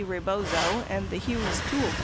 Rebozo and the Hughes Tool Co.